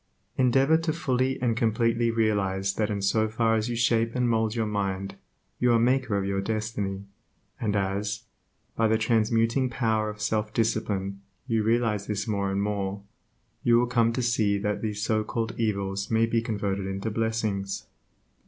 Endeavor to fully and completely realize that in so far as you shape and mould your mind, you are the maker of your destiny, and as, by the transmuting power of self discipline you realize this more and more, you will come to see that these so called evils may be converted into blessings.